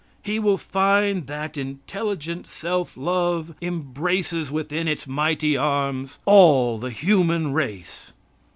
He will find that intelligent self love embraces within its mighty arms all the human race.